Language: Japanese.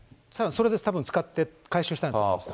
それで、たぶん使って回収したと思います。